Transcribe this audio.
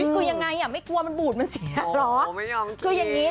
คือยังไงไม่กลัวมันบูดมันเสียหรอ